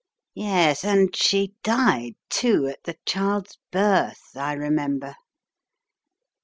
Yes, and she died, too, at the child's birth I remember.